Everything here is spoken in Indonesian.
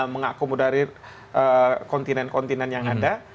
mengakomodasi kontinen kontinen yang ada